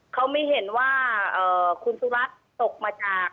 เขาไม่เห็นว่าคุณสุรัตน์ตกมาจาก